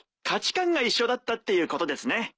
価値観が一緒だったっていうことですね。